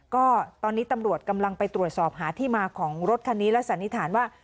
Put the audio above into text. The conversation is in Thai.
ก็ตอนนี้ตำรวจกำลังไปตรวจสอบหาที่มาของรถคันนี้และสันนิษฐานว่า